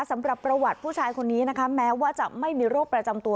สำหรับประวัติผู้ชายคนนี้นะคะแม้ว่าจะไม่มีโรคประจำตัว